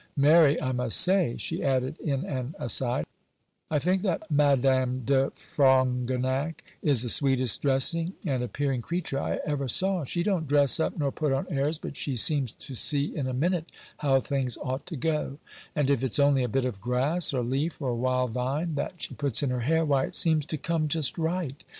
Mary, I must say,' she added in an aside, 'I think that Madame de Frongenac is the sweetest dressing and appearing creature I ever saw: she don't dress up nor put on airs, but she seems to see in a minute how things ought to go; and if it's only a bit of grass, or leaf, or wild vine, that she puts in her hair, why it seems to come just right.